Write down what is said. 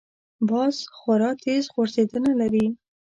باز خورا تېز غورځېدنه لري